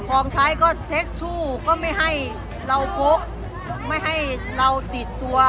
ของใช้ก็เช็คชู่ก็ไม่ให้เราพกไม่ให้เราติดตัว